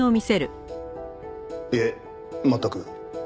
いえ全く。